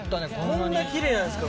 こんな奇麗なんですか